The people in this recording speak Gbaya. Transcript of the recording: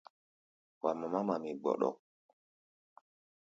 Wa mamá mami gbɔɗɔk.